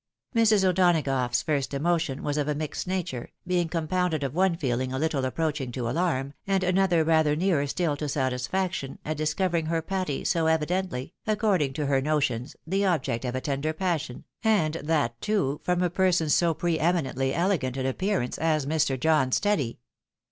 Mrs. O'Donagough's first emotion was of a mixed nature, being compounded of one feehng a little approaching to alarm, and another rather nearer still to satisfaction, at discovering her Patty so evidently, according to her notions, the object of a tender passion, and that, too, from a person so pre eminently elegant in appearance as Mr. John Steady.